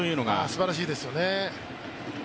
すばらしいですよね。